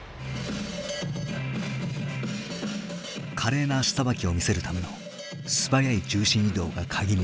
華麗な足さばきを見せるための素早い重心移動がカギになる。